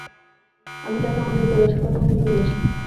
আমি তাঁকে আমাদের কৈলাসের কথাও খুলে বলেছি।